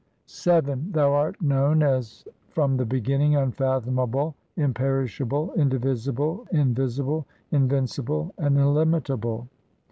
VII Thou art known as from the beginning, unfathomable, imperishable, indivisible, invisible, invincible, and illimitable.